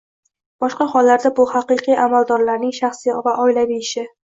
Boshqa hollarda, bu haqiqiy amaldorlarning shaxsiy va oilaviy ishi